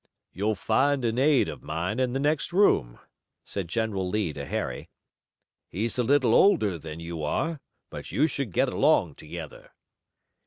"You'll find an aide of mine in the next room," said General Lee to Harry. "He's a little older than you are but you should get along together."